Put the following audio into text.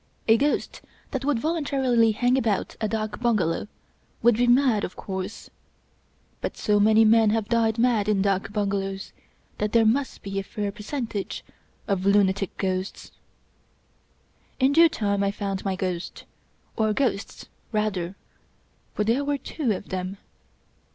A ghost that would voluntarily hang about a dak bungalow would be mad of course ; but so many men have died mad in dak bungalows that there must be a fair percentage of lunatic ghosts. In due time I found my ghost, or ghosts rather, for there were two of them.